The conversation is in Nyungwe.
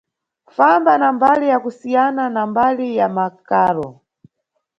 Famba na mbali ya kusiyana na mbali ya makaro.